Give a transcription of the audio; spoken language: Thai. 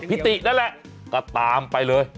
ตินั่นแหละก็ตามไปเลย